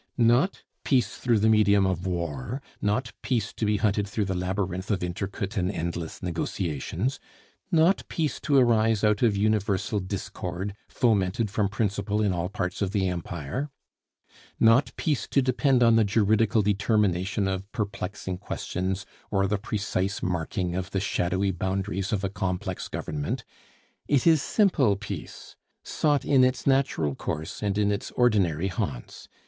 Not Peace through the medium of War; not Peace to be hunted through the labyrinth of intricate and endless negotiations; not Peace to arise out of universal discord, fomented from principle in all parts of the empire; not Peace to depend on the juridical determination of perplexing questions, or the precise marking of the shadowy boundaries of a complex government. It is simple Peace, sought in its natural course and in its ordinary haunts.